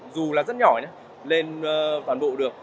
dù là rất nhỏ nhé lên toàn bộ được